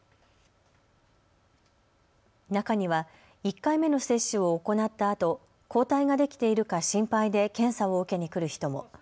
中には１回目の接種を行ったあと抗体ができているか心配で検査を受けに来る人も。